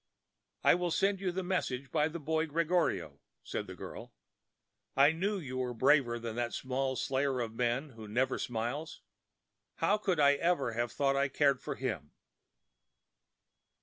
"I will send you the message by the boy Gregorio," said the girl. "I knew you were braver than that small slayer of men who never smiles. How could I ever have thought I cared for him?"